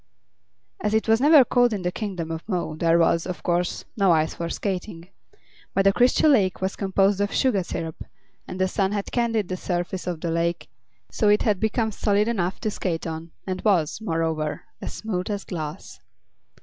As it was never cold in the Kingdom of Mo there was, of course, no ice for skating. But the Crystal Lake was composed of sugar syrup, and the sun had candied the surface of the lake, so it had become solid enough to skate on, and was, moreover, as smooth as glass.